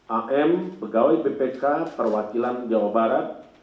am pegawai bpk perwakilan jawa barat